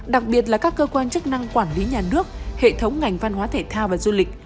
đặc biệt là các cơ quan chức năng quản lý nhà nước hệ thống ngành văn hóa thể thao và du lịch